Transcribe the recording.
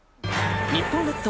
「日本列島